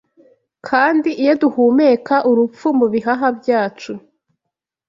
Kandi, iyo duhumeka, Urupfu mu bihaha byacu